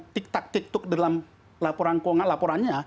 tiktak tiktok dalam laporan